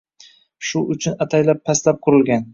Shu uchun ataylab pastlab qurilgan.